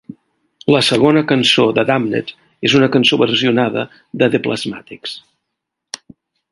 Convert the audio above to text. La segona cançó "The Damned" és una cançó versionada de The Plasmatics.